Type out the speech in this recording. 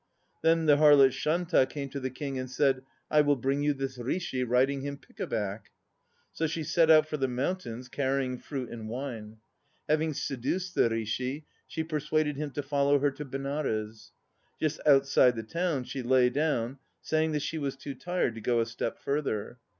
Then the harlot Shanta came to the King and said, "I will bring you this Rishi riding him pickaback!" She set out for the mountains, carrying fruit and wine. Having seduced the Rishi, she persuaded him to follow her to Benares. Just outside the town she lay down, saying that she was too tired to go a step further.